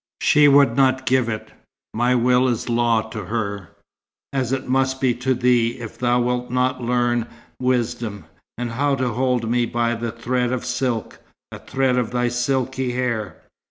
She would not give it. My will is law to her, as it must be to thee if thou wilt not learn wisdom, and how to hold me by a thread of silk, a thread of thy silky hair.